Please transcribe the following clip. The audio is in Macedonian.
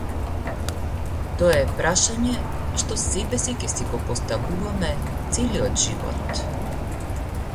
Тоа е прашање што себеси ќе си го поставуваме целиот живот.